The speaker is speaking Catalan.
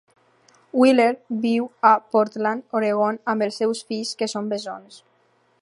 Wheeler viu a Portland, Oregon, amb els seus fills, que són bessons.